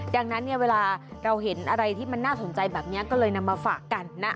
ดังนั้นเนี่ยเวลาเราเห็นอะไรที่มันน่าสนใจแบบนี้ก็เลยนำมาฝากกันนะ